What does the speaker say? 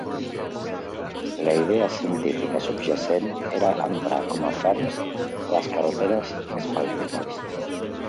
La idea científica subjacent era emprar com a ferms les carreteres asfàltiques.